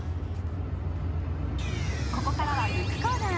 ここからはブックコーナー。